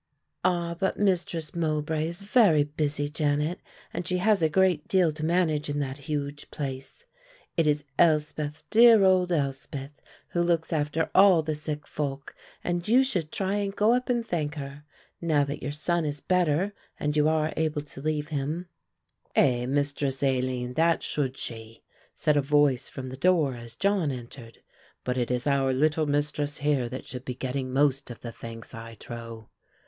"Ah, but Mistress Mowbray is very busy, Janet, she has a great deal to manage in that huge place. It is Elspeth, dear old Elspeth, who looks after all the sick folk and you should try and go up and thank her, now that your son is better and you are able to leave him." "Ay, Mistress Aline, that should she," said a voice from the door as John entered, "but it is our little mistress here that should be getting most of the thanks, I trow."